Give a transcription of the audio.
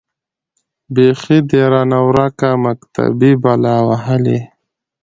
بيـخي ده رانـه وركه مــكتبۍ بــلا وهــلې.